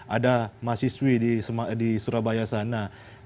ada mahasiswi di surabaya sana